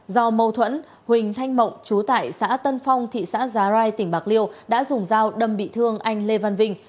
do mâu thuẫn huỳnh thanh mộng chú tại xã tân phong thị xã giá rai tỉnh bạc liêu đã dùng dao đâm bị thương anh lê văn vinh